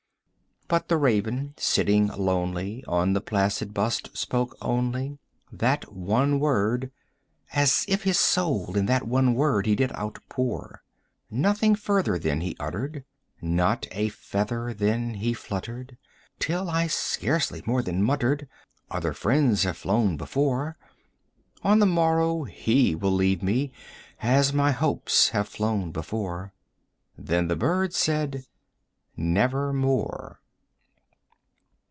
But the Raven, sitting lonely on the placid bust, spoke only 55 That one word, as if his soul in that one word he did outpour. Nothing further then he uttered, not a feather then he fluttered, Till I scarcely more than muttered, "Other friends have flown before; On the morrow he will leave me, as my Hopes have flown before." Then the bird said, "Nevermore."